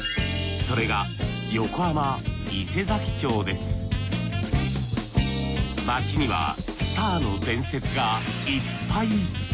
それが街にはスターの伝説がいっぱい。